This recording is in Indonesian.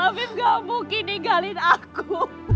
afif gak mungkin tinggalin aku